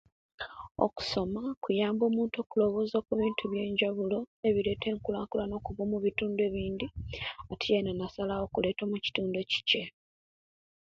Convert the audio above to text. Okusoma kuyamba omuntu okulowooza kubintu byenjaulo ebireeta enkulankulana okuva omubitundu ebindi , atyeena nasalawo okuleeta omukitundu ecice.